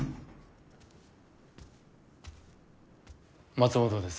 松本です。